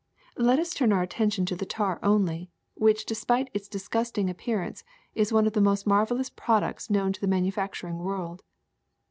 Let us turn our attention to the tar only, which 76 THE SECRET OF EVERYDAY THINGS despite its disgusting appearance is one of the most marvelous products known to the manufacturing world.